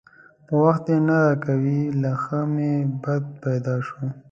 په وخت یې نه راکوي؛ له ښه مې بد پیدا شو.